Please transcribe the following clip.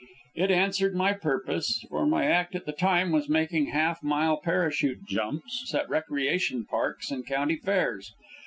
It answered my purpose, for my act at the time was making half mile parachute jumps at recreation parks and country fairs.